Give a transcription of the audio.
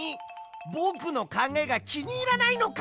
ぼくのかんがえがきにいらないのか？